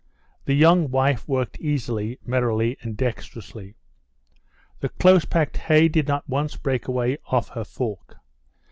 The young wife worked easily, merrily, and dexterously. The close packed hay did not once break away off her fork.